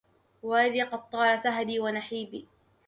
ولدي قد طال سهدي ونحيبي